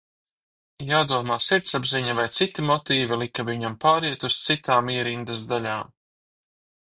Jādomā sirdsapziņa vai citi motīvi lika viņam pāriet uz citām ierindas daļām.